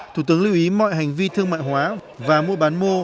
thủ tướng lưu ý mọi hành vi thương mại hóa và mua bán mô